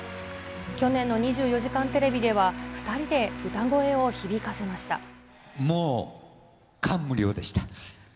去年の２４時間テレビでは、もう感無量でした。